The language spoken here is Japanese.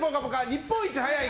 日本一早い！？